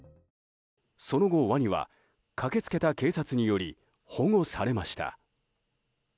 その後ワニは駆け付けた警察により保護されました。